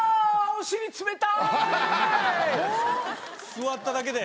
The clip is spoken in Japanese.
座っただけで？